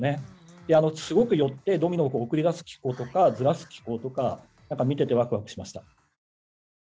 すごく寄ってドミノを送り出す機構とかずらす機構とか何か見ててわくわくしました。